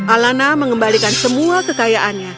alana mengembalikan semua kekayaannya